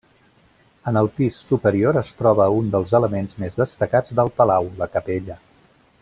En el pis superior es troba un dels elements més destacats del palau, la capella.